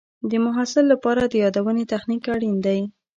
د محصل لپاره د یادونې تخنیک اړین دی.